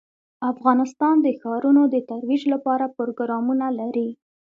افغانستان د ښارونو د ترویج لپاره پروګرامونه لري.